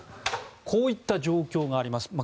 こういった状況があります。